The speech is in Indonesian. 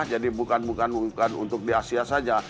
jadi bukan bukan untuk di asia saja